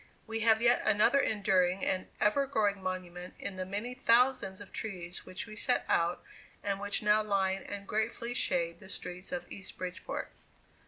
We have yet another enduring and ever growing monument in the many thousands of trees which we set out and which now line and gratefully shade the streets of East Bridgeport.